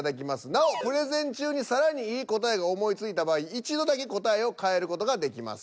なおプレゼン中に更にいい答えが思いついた場合１度だけ答えを変える事ができます。